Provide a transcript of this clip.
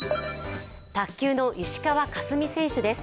卓球の石川佳純選手です。